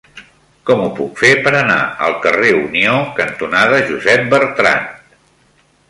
Com ho puc fer per anar al carrer Unió cantonada Josep Bertrand?